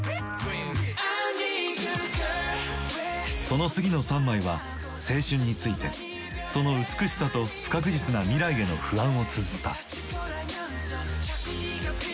その次の３枚は青春についてその美しさと不確実な未来への不安をつづった。